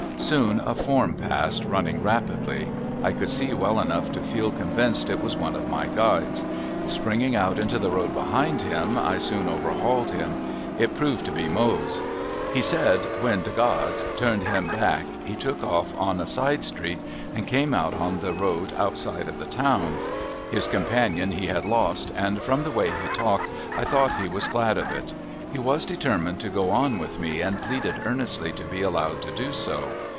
Soon a form passed, running rapidly. I could see well enough to feel convinced it was one of my guides. Springing out into the road behind him I soon overhauled him. It proved to be Mose. He said when "de ga'ds" turned him back he took off on a side street and came out on the road outside of the town. His companion he had lost, and from the way he talked I thought he was glad of it. He was determined to go on with me and pleaded earnestly to be allowed to do so.